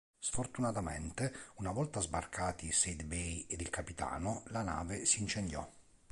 Sfortunatamente, una volta sbarcati Said Bey ed il capitano, la nave si incendiò.